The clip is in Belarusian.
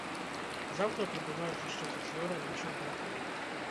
Заўтра прыбываюць яшчэ чацвёра нашых братоў.